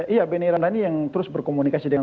iya beni randani yang terus berkomunikasi dengan